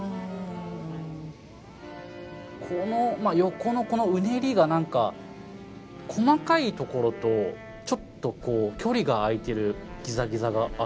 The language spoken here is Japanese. この横のこのうねりが何か細かいところとちょっとこう距離が空いてるギザギザがあるんですよね。